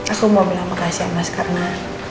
aku mau bilang makasih mas karena